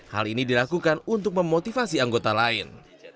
hal ini dilakukan untuk memotivasi anggota lain